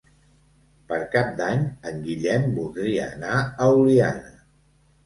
Per Cap d'Any en Guillem voldria anar a Oliana.